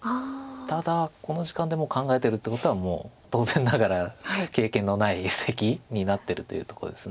ただこの時間で考えてるということはもう当然ながら経験のない布石になってるというとこです。